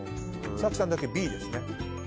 早紀さんだけＢですね。